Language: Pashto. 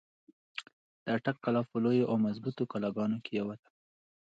د اټک قلا په لويو او مضبوطو قلاګانو کښې يوه ده۔